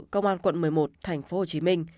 công an quận một mươi một thành phố hồ chí minh